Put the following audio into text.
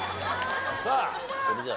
さあそれではね